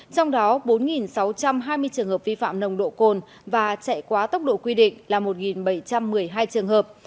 trong đó bốn sáu trăm hai mươi trường hợp vi phạm nồng độ cồn và chạy quá tốc độ quy định là một bảy trăm một mươi hai trường hợp